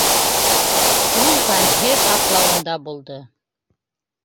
— Ул ғәмһеҙ атлауында булды.